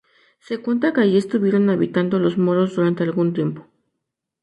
Se cuenta que allí estuvieron habitando los moros durante algún tiempo.